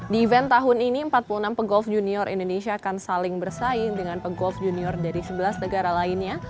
di event tahun ini empat puluh enam pegolf junior indonesia akan saling bersaing dengan pegolf junior dari sebelas negara lainnya